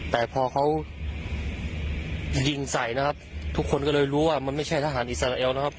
แต่พอเขายิงใส่นะครับทุกคนก็เลยรู้ว่ามันไม่ใช่ทหารอิสราเอลนะครับ